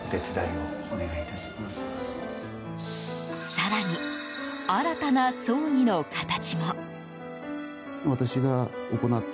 更に、新たな葬儀の形も。